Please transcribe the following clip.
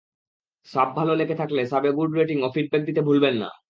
Sub ভালো লেগে থাকলে সাবে গুড রেটিং ও ফিডব্যাক দিতে ভুলবেন না।